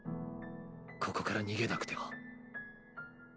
ここから逃げなくては。